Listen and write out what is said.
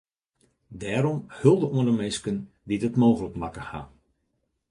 Dêrom hulde oan de minsken dy’t it mooglik makke ha.